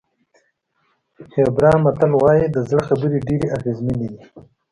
هېبرا متل وایي د زړه خبرې ډېرې اغېزمنې دي.